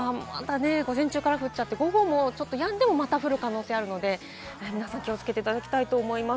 午前中から降って、午後もやんでもまた降る可能性があるので気をつけていただきたいと思います。